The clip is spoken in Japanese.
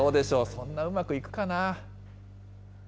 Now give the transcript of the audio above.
そんなうまくいくかな。